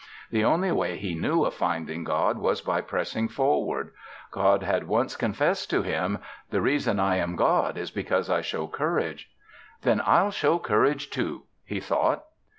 The only way he knew of finding God was by pressing forward. God had once confessed to him, "The reason I am God is because I show courage." "Then I'll show courage, too," he thought.